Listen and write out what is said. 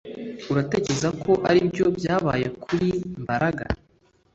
Uratekereza ko aribyo byabaye kuri Mbaraga